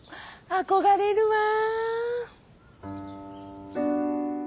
あこがれるわ。